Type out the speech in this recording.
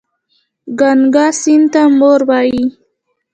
ګنګا سیند ته مور وايي.